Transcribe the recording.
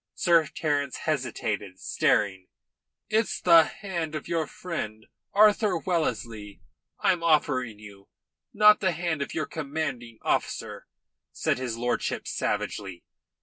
Sir Terence hesitated, staring. "It's the hand of your friend, Arthur Wellesley, I'm offering you, not the hand of your commanding officer," said his lordship savagely.